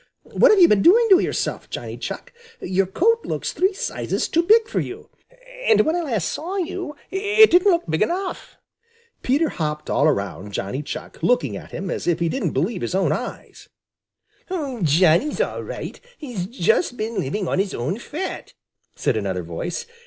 What have you been doing to yourself, Johnny Chuck? Your coat looks three sizes too big for you, and when I last saw you it didn't look big enough." Peter hopped all around Johnny Chuck, looking at him as if he didn't believe his own eyes. {Illustration: "Is it really and truly you, Johnny Chuck?" he cried.} "Oh, Johnny's all right. He's just been living on his own fat," said another voice.